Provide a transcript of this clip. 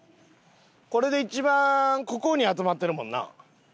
これで一番ここに集まってるもんな。